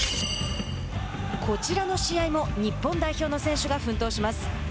こちらの試合も日本代表の選手が奮闘します。